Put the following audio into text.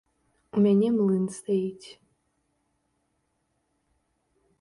У мяне млын стаіць.